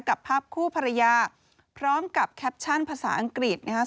กับภาพคู่ภรรยาพร้อมกับแคปชั่นภาษาอังกฤษนะครับ